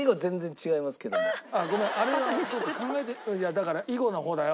だから囲碁の方だよ。